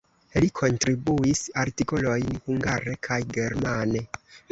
Li kontribuis artikolojn hungare kaj germane.